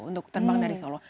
untuk terbang dari solo